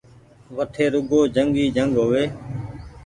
وٺي روڳو جنگ ئي جنگ هووي